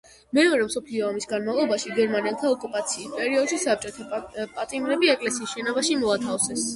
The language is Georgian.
მეორე მსოფლიო ომის განმავლობაში, გერმანელთა ოკუპაციის პერიოდში, საბჭოთა პატიმრები ეკლესიის შენობაში მოათავსეს.